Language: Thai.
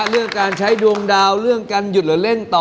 เรื่องการใช้ดวงดาวเรื่องการหยุดหรือเล่นต่อ